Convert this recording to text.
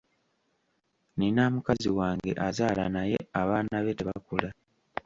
Nnina mukazi wange azaala naye abaana be tebakula.